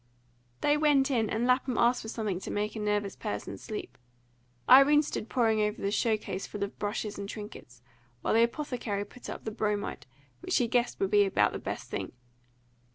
They went in, and Lapham asked for something to make a nervous person sleep. Irene stood poring over the show case full of brushes and trinkets, while the apothecary put up the bromide, which he guessed would be about the best thing.